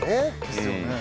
ですよね。